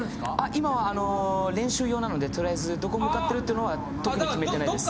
今は練習用なのでとりあえずどこ向かってるっていうのは特に決めてないです。